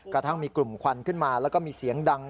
กระทั่งมีกลุ่มควันขึ้นมาแล้วก็มีเสียงดัง